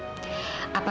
aku mau makan aku mau makan